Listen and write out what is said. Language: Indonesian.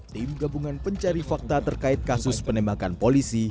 tim gabungan pencari fakta terkait kasus penembakan polisi